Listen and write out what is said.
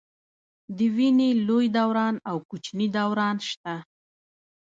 د وینې لوی دوران او کوچني دوران شته.